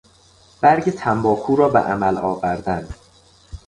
برگ تنباکو را به عمل آوردن